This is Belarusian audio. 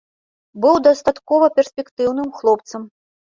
Быў дастаткова перспектыўным хлопцам.